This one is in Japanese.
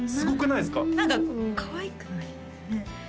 何かかわいくないよね